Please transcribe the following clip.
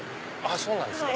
そうなんですか。